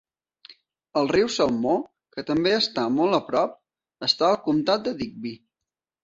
El riu Salmó, que també està molt a prop, està al comtat de Digby.